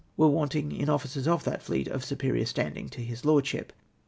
123 were wanting in officers of that fleet of superior standing to his Lordship.